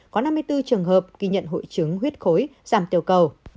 có năm mươi bốn trường hợp ghi nhận hội chứng huyết khối giảm tiểu cầu